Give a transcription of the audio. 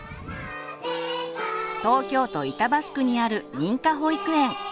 東京都板橋区にある認可保育園。